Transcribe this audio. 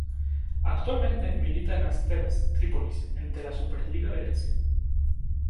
Actualmente milita en Asteras Tripolis de la Superliga de Grecia.